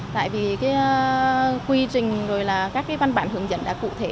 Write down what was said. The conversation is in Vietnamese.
tại vì quy trình và các văn bản hướng dẫn đã cụ thể